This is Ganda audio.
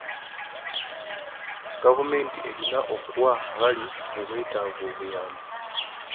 Gavumenti erina okuwa abali mu bwetaavu obuyambi.